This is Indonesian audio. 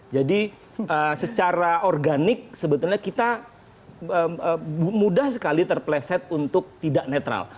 jadi secara organik sebetulnya kita mudah sekali terpleset untuk tidak netral